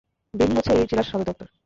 বেনি হচ্ছে এই জেলার সদরদপ্তর।